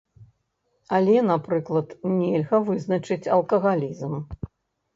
Але, напрыклад, нельга вызначыць алкагалізм.